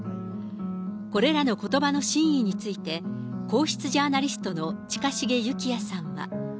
これらのことばの真意について、皇室ジャーナリストの近重幸哉さんは。